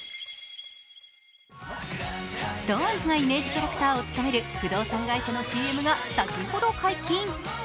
ＳｉｘＴＯＮＥＳがイメージキャラクターを務める不動産会社のＣＭが先ほど解禁。